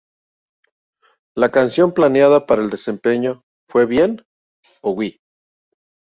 La canción planeada para el desempeño fue bien-o-Wee.